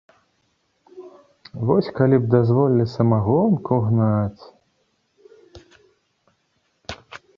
Вось калі б дазволілі самагонку гнаць!